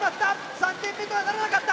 ３点目とはならなかった。